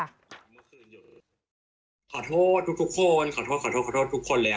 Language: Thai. ขอโทษทุกคนขอโทษทุกคนเลยค่ะ